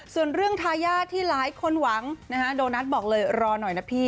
ส่วนเรื่องทายาทที่หลายคนหวังนะฮะโดนัทบอกเลยรอหน่อยนะพี่